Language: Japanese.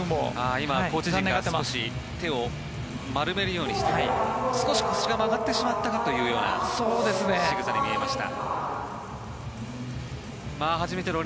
今、コーチ陣から少し手を丸めるようにして少し腰が曲がってしまったかというようなしぐさに見えました。